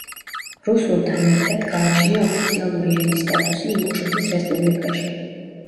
რუსულთან ერთად გააჩნია ოფიციალური ენის სტატუსი ინგუშეთის რესპუბლიკაში.